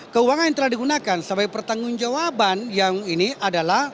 keuangan yang telah digunakan sebagai pertanggung jawaban yang ini adalah